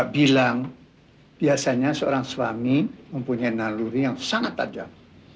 bilang biasanya seorang suami mempunyai naluri yang sangat tajam